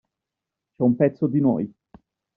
C'è un pezzo di noi.